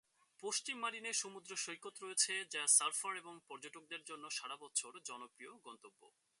পশ্চিম মারিনে সমুদ্র সৈকত রয়েছে যা সার্ফার এবং পর্যটকদের জন্য সারা বছর জনপ্রিয় গন্তব্য।